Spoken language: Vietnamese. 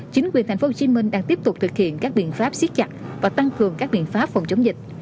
chính quyền tp hcm đang tiếp tục thực hiện các biện pháp siết chặt và tăng cường các biện pháp phòng chống dịch